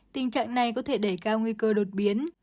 tình trạng này có thể đẩy cao nguy cơ đột biến